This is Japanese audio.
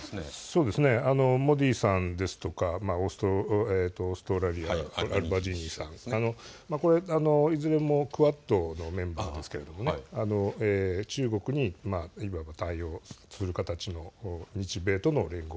そうですね、モディさんですとかオーストラリアのアルバニージーさん、これはいずれもクアッドのメンバーですけれども中国に対応する形の日米との連合